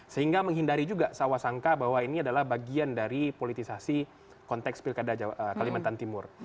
sehingga menghindari juga sawasangka bahwa ini adalah bagian dari politisasi konteks pilkada kalimantan timur